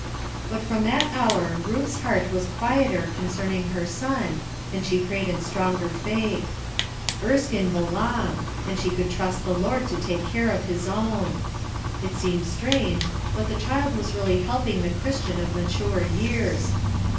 But from that hour Ruth's heart was quieter concerning her eon, and she prayed in stronger faith. Erskine "belonged" and she could trust m ALLY 315 the Lord to take care of Ilia own. It seemed strange, but the child was really helping the Christian of mature years.